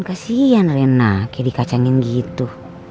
kesian reina kayak dikacangin gitu